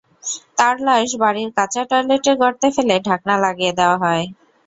তাঁর লাশ বাড়ির কাঁচা টয়লেটের গর্তে ফেলে ঢাকনা লাগিয়ে দেওয়া হয়।